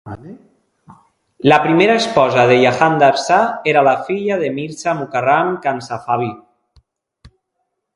La primera esposa de Jahandar Shah era la filla de Mirza Mukarram Khan Safavi.